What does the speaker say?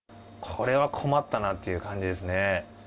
これは困ったなっていう感じですね。